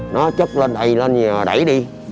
nó chất lên đây lên nhà đẩy đi